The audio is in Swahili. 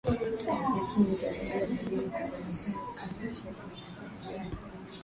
lakini inatarajiwa pengine kwenye masaa kama ishirini na nne yajayo